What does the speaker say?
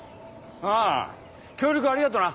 ああ協力ありがとな。